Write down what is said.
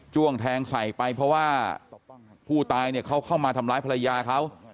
้วงแทงใส่ไปเพราะว่าผู้ตายเนี่ยเขาเข้ามาทำร้ายภรรยาเขา